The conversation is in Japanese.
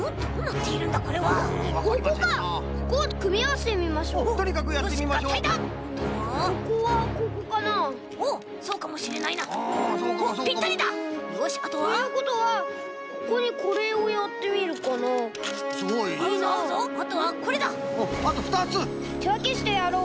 てわけしてやろう！